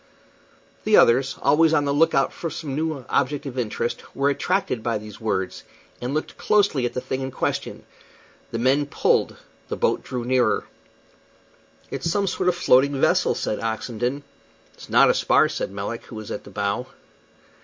The others, always on the lookout for some new object of interest, were attracted by these words, and looked closely at the thing in question. The men pulled. The boat drew nearer. "It's some sort of floating vessel," said Oxenden. "It's not a spar," said Melick, who was at the bow.